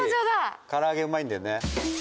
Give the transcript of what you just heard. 唐揚げうまいんだよね。